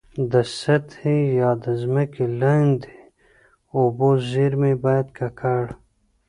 د سطحي یا د ځمکي لاندي اوبو زیرمي باید ککړ.